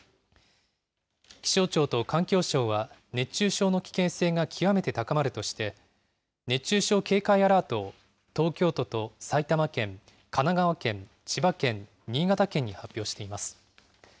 気象庁と環境省は、熱中症の危険性がきわめて高まるとして、熱中症警戒アラートを東京都と埼玉県、神奈川県、千葉県、新潟県に発表しています。